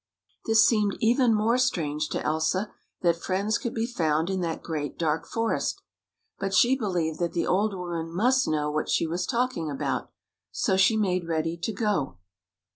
This seemed even more strange to Elsa, that friends could be found in that great, dark forest. But she believed that the old woman must know what she was talking about, so she made ready to go.